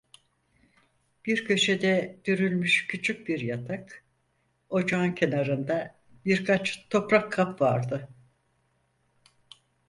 Bir köşede dürülmüş küçük bir yatak, ocağın kenarında birkaç toprak kap vardı.